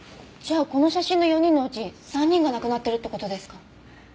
じゃあこの写真の４人のうち３人が亡くなってるって事ですか？